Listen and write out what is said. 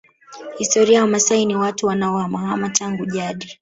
Historia Wamaasai ni watu wanaohamahama tangu jadi